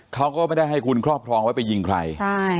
เขาก็ไม่ได้ให้คุณครอบครองไว้ไปยิงใครใช่